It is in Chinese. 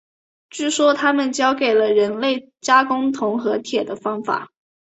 据说他们教给了人类加工铜和铁的方法。